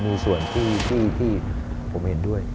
มีส่วนที่ผมเห็นด้วย